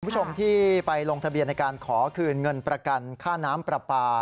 คุณผู้ชมที่ไปลงทะเบียนในการขอคืนเงินประกันค่าน้ำปลาปลา